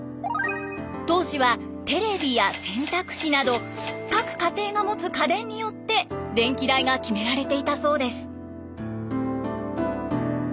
当時はテレビや洗濯機など各家庭が持つ家電によって電気代が決められていたそうです。